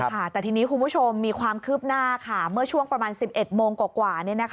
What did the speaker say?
ค่ะแต่ทีนี้คุณผู้ชมมีความคืบหน้าค่ะเมื่อช่วงประมาณ๑๑โมงกว่า